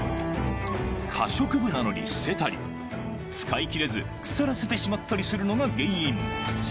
可食部なのに捨てたり、使いきれず腐らせてしまったりするのが原因。